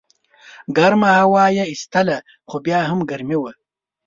ګرمه هوا یې ایستله خو بیا هم ګرمي وه.